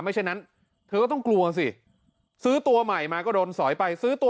เช่นนั้นเธอก็ต้องกลัวสิซื้อตัวใหม่มาก็โดนสอยไปซื้อตัว